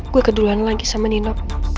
gue keduluan lagi sama nino